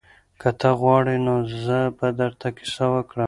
که ته غواړې نو زه به درته کیسه وکړم.